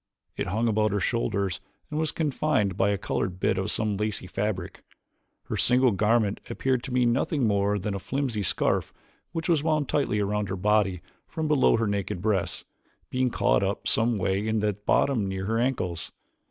It hung about her shoulders and was confined by a colored bit of some lacy fabric. Her single garment appeared to be nothing more than a filmy scarf which was wound tightly around her body from below her naked breasts, being caught up some way at the bottom near her ankles.